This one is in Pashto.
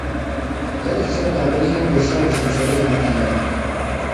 کله چي زه په کابل کي وم، د شاه دو شمشېره جومات ته لاړم.